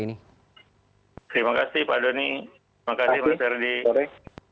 terima kasih pak doni terima kasih mas ferdi